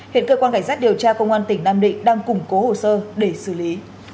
hiện cơ quan cảnh sát điều tra công an tỉnh nam định đang củng cố hồ sơ để xử lý